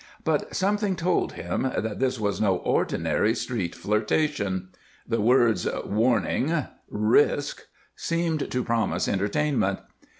But something told him that this was no ordinary street flirtation. The words "warning," "risk" seemed to promise entertainment.